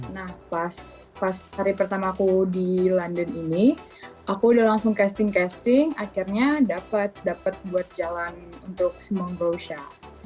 nah pas hari pertama aku di london ini aku udah langsung casting casting akhirnya dapat dapat buat jalan untuk simbol growsha